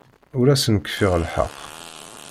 Ur asen-kfiɣ lḥeqq.